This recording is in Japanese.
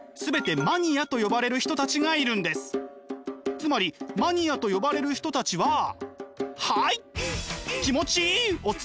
つまりマニアと呼ばれる人たちははあい！